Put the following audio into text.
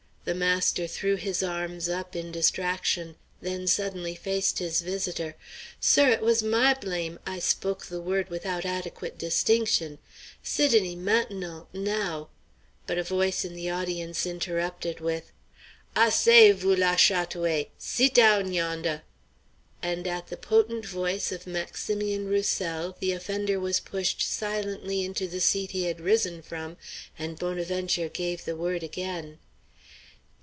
The master threw his arms up and down in distraction, then suddenly faced his visitor, "Sir, it was my blame! I spoke the word without adequate distinction! Sidonie maintenant now!" But a voice in the audience interrupted with "Assoiez vous la, Chat oué! Seet down yondeh!" And at the potent voice of Maximian Roussel the offender was pushed silently into the seat he had risen from, and Bonaventure gave the word again.